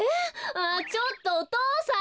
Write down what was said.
ああちょっとお父さん！